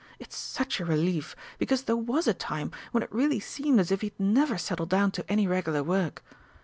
It's such a relief, because there was a time when it really seemed as if he'd never settle down to any regular work.